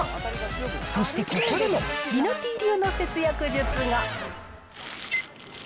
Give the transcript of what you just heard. そしてここでも、りなてぃ流の節約術が。